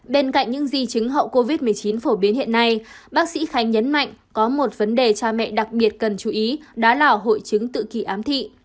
bên cạnh những di chứng hậu covid một mươi chín phổ biến hiện nay bác sĩ khánh nhấn mạnh có một vấn đề cha mẹ đặc biệt cần chú ý đó là hội chứng tự kỳ ám thị